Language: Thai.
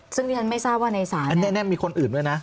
ซึ่งที่ฉันไม่ทราบว่าในศาลอันนี้มีคนอื่นด้วยนะ